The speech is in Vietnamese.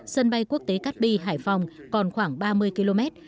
sân bay quốc tế cát bi hải phòng còn khoảng ba mươi km